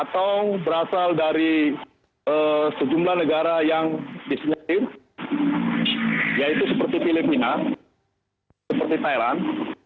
tong berasal dari sejumlah negara yang disinyalir yaitu seperti filipina seperti thailand